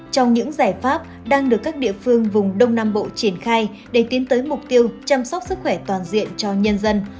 trong những giải pháp đang được các địa phương vùng đông nam bộ triển khai để tiến tới mục tiêu chăm sóc sức khỏe toàn diện cho nhân dân